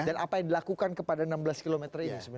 dan apa yang dilakukan kepada enam belas km ini